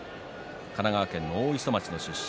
神奈川県の大磯町出身。